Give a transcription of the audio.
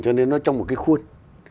cho nên nó trong một cái khuôn